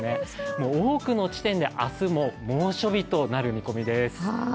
もう多くの地点で明日も猛暑日となる見込みです。